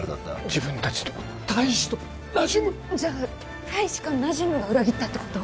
自分達と大使とナジュムじゃあ大使かナジュムが裏切ったってこと？